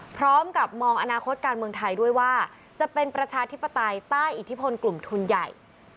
พร้อมกับมองอนาคตการเมืองไทยด้วยว่าจะเป็นประชาธิปไตยใต้อิทธิพลกลุ่มทุนใหญ่